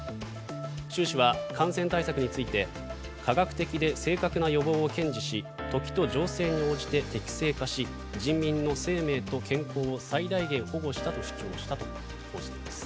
習氏は感染対策について科学的で正確な予防を堅持し時と情勢に応じて適正化し人民の生命と健康を最大限保護したと主張したということです。